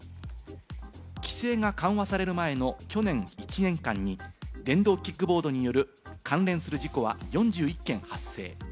規制が緩和される前の去年１年間に電動キックボードによる関連する事故は４１件発生。